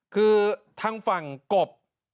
คือทางฝั่งกบ